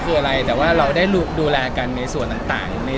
มีมีมีมีมีมีมีมีมีมีมีมีมีมีมี